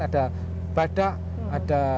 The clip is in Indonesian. ada badak ada